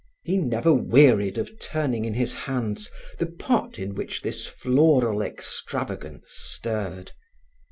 He never wearied of turning in his hands the pot in which this floral extravagance stirred.